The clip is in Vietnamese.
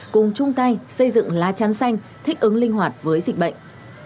cùng chung tay xây dựng lá trắng xanh thích ứng linh hoạt với dịch bệnh